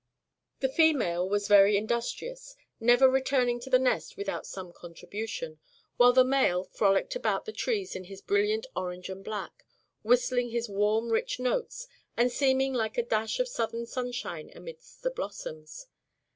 The female was very industrious, never returning to the nest without some contribution, while the male frolicked about the trees in his brilliant orange and black, whistling his warm rich notes, and seeming like a dash of southern sunshine amidst the blossoms.